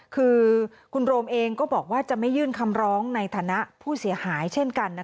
คือคุณโรมเองก็บอกว่าจะไม่ยื่นคำร้องในฐานะผู้เสียหายเช่นกัน